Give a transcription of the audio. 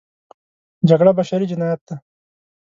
جګړه بشري جنایت دی.